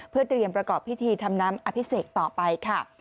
เพื่อเตรียมประกอบพิธีทำน้ำอภิเษกต่อไปค่ะ